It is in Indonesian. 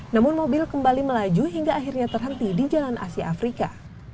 namun mobil kembali melaju hingga akhirnya terhenti di jalan asia afrika